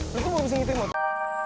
lo tuh mau bising gituin waktu